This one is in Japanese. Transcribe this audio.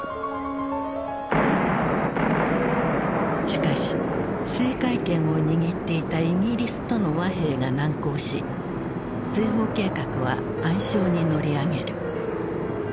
しかし制海権を握っていたイギリスとの和平が難航し追放計画は暗礁に乗り上げる。